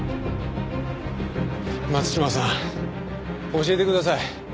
松島さん教えてください。